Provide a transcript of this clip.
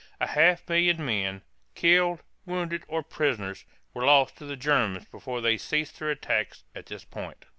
A half million men, killed, wounded, or prisoners, were lost to the Germans before they ceased their attacks at this point.